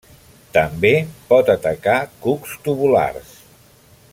També pot atacar cucs tubulars.